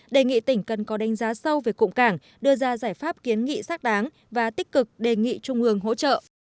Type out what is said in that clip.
đề nghị tỉnh cần có đánh giá sâu về cụm cảng đưa ra giải pháp kiến nghị xác đáng và tích cực đề nghị trung ương hỗ trợ